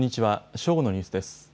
正午のニュースです。